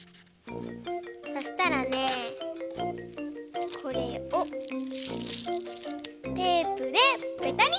そしたらねこれをテープでぺたり！